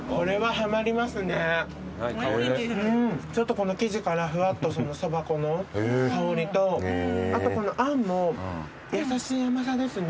この生地からフワッとそば粉の香りとあとこのあんも優しい甘さですね。